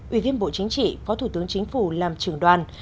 ủy viên bộ chính trị phó thủ tướng chính phủ làm trưởng đoàn